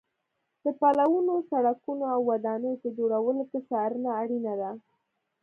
د پلونو، سړکونو او ودانیو په جوړولو کې څارنه اړینه ده.